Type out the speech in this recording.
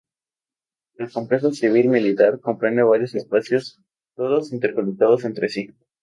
El complejo cívico-militar comprende varios espacios, todos interconectados entre sí.